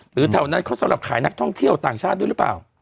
แถวนั้นเขาสำหรับขายนักท่องเที่ยวต่างชาติด้วยหรือเปล่า